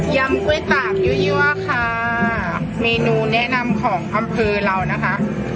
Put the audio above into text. ยำก๋วยตาบยื้อยื้อค่ะเมนูแนะนำของคำพือเรานะคะ